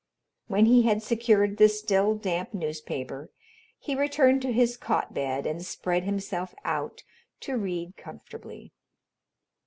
When he had secured the still damp newspaper, he returned to his cot bed and spread himself out to read comfortably.